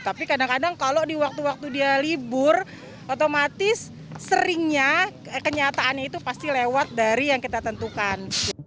tapi kadang kadang kalau di waktu waktu dia libur otomatis seringnya kenyataannya itu pasti lewat dari yang kita tentukan